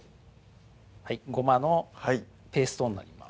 ごまのペーストになります